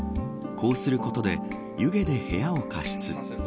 こうすることで湯気で部屋を加湿。